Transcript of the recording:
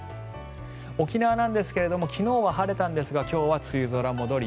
沖縄ですが昨日は晴れたんですが今日は梅雨空戻り